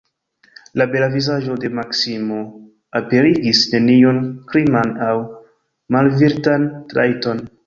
La bela vizaĝo de Maksimo aperigis neniun kriman aŭ malvirtan trajton.